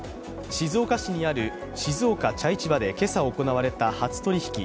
静岡市にある静岡茶市場で今朝行われた初取引。